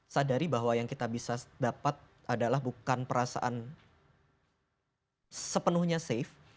sadari bahwa yang kita bisa dapat adalah bukan perasaan sepenuhnya safe